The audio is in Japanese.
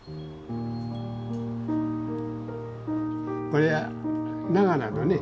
これは長良だね。